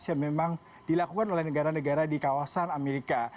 yang memang dilakukan oleh negara negara di kawasan amerika